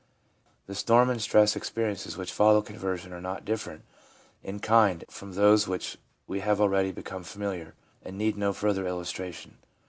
The storm and stress experiences which follow con version are not different in kind from those with which we have already become familiar, and need no further illustration.